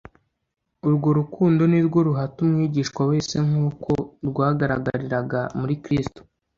Urwo rukundo ni rwo ruhata umwigishwa wese, nk'uko rwagaragariraga muri Kristo,